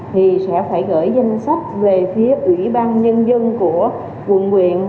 thì sẽ phải gửi danh sách về phía ủy ban nhân dân của quận quyện